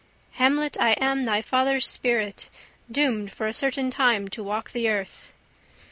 Hamlet, I am thy father's spirit Doomed for a certain time to walk the earth.